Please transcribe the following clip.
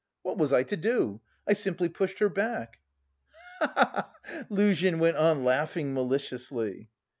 What was I to do? I simply pushed her back." "He he he!" Luzhin went on laughing maliciously.